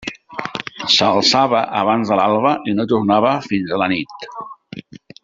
S'alçava abans de l'alba i no tornava fins a la nit.